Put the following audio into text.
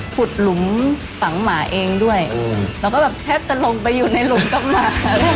ขุดหลุมฝังหมาเองด้วยแล้วก็แบบแทบจะลงไปอยู่ในหลุมกับหมา